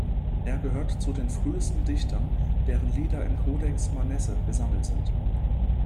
Er gehört zu den frühesten Dichtern, deren Lieder im Codex Manesse gesammelt sind.